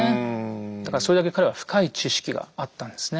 だからそれだけ彼は深い知識があったんですね。